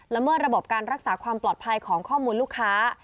เมิดระบบการรักษาความปลอดภัยของข้อมูลลูกค้า